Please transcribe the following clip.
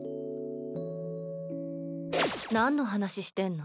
なんの話してんの？